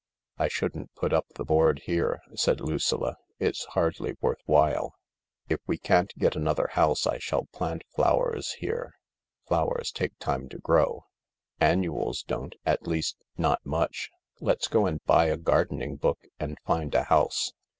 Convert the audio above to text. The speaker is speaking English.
" I shouldn't put up the board here," said Lucilla, "it's hardly worth while," "If we can't get another house I shall plant flowers here." "Flowers take time to grow." "Annuals don't *t least, not much. Let's go and buy a gardening book and find a house."